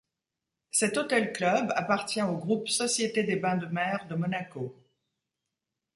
Cet hôtel-club appartient au groupe Société des bains de mer de Monaco.